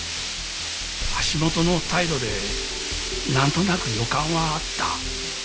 橋本の態度でなんとなく予感はあった。